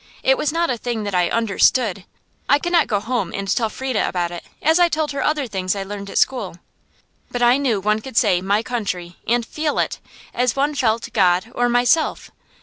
It was not a thing that I understood; I could not go home and tell Frieda about it, as I told her other things I learned at school. But I knew one could say "my country" and feel it, as one felt "God" or "myself."